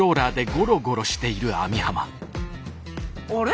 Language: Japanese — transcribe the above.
あれ？